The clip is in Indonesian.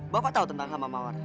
bapak tahu tentang hama mawar